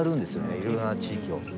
いろいろな地域を。